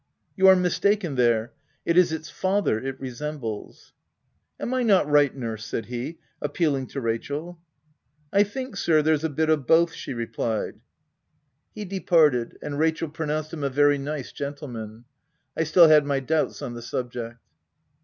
•? You are mistaken there ; it is its father it resembles." " Am I not right, nurse ?" said he, appealing to Rachel. u I think, sir, there's a bit of both," she replied. OF W1LDFELL HALL. 173 He departed ; and Rachel pronounced him a very nice gentleman. I had still my doubts on the subject.